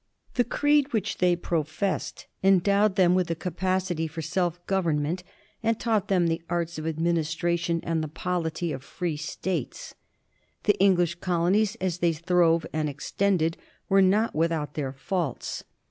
The creed which they professed endowed them with a capacity for self gov ernment, and taught them the arts of administration and the polity of free States. The English colonies, as they throve and extended, were not without their faults.